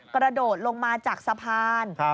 กระโดดลงมาจากสะพาน